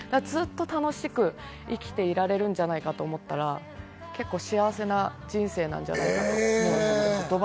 ずっと楽しく生きていられるんじゃないかと思ったら、結構幸せな人生なんじゃないかなと思います。